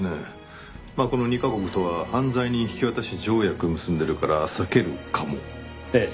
まあこの２カ国とは犯罪人引き渡し条約結んでるから避けるかもです。